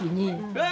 うわ！